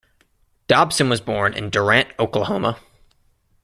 Dobson was born in Durant, Oklahoma.